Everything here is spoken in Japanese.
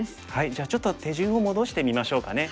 じゃあちょっと手順を戻してみましょうかね。